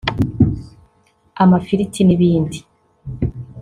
amafiriti n’ibindi